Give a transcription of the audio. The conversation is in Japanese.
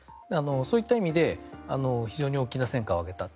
そういった意味で非常に大きな戦果を上げた。